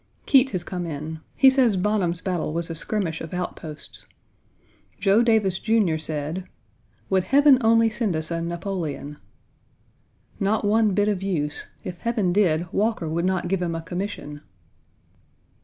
Keitt has come in. He says Bonham's battle was a skirmish of outposts. Joe Davis, Jr., said: "Would Heaven only send us a Napoleon!" Not one bit of use. If Heaven did, Walker would not give him a commission.